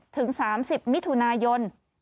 ถึง๓๐มิถุนายน